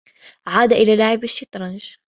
عاد إلى لعب الشّطرنج.